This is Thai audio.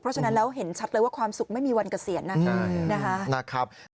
เพราะฉะนั้นแล้วเห็นชัดเลยว่าความสุขไม่มีวันเกษียณนะครับ